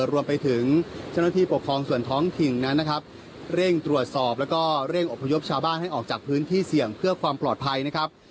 รวมไปถึงเจ้าหน้าที่ปกครองส่วนท้องถิ่นนั้นนะครับเร่งตรวจสอบแล้วก็เร่งอบพยพชาวบ้านให้ออกจากพื้นที่เสี่ยงเพื่อความปลอดภัยนะครับ